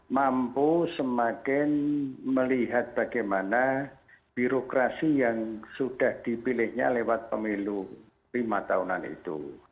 mampu semakin melihat bagaimana birokrasi yang sudah dipilihnya lewat pemilu lima tahunan itu